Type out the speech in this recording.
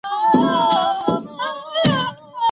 ولي روښانه فکر کول ګټور دي؟